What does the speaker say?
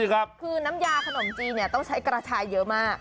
คือน้ำยาขนมจีนต้องใช้กระชายเยอะมาก